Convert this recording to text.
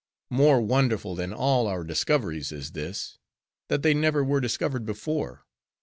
—more wonderful than all our discoveries is this: that they never were discovered before.